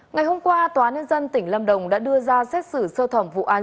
ngày hôm qua tòa nhân dân tỉnh lâm đồng đã đưa ra xét xử sơ thẩm vụ án